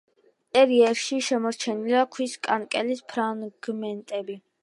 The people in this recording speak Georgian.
ინტერიერში შემორჩენილია ქვის კანკელის ფრაგმენტები.